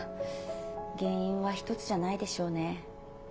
原因は１つじゃないでしょうね。